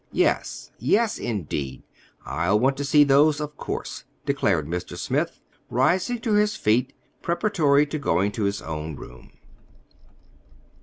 "Yes; yes, indeed. I'll want to see those, of course," declared Mr. Smith, rising to his feet, preparatory to going to his own room.